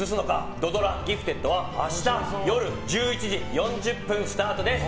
土ドラ「ギフテッド」は明日夜１１時４０分スタートです。